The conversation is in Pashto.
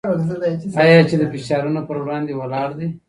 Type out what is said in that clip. آیا چې د فشارونو پر وړاندې ولاړ دی؟